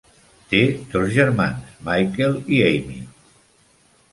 Té dos germans, Michael i Amy.